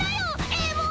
エモ！